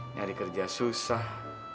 nyari kerja susah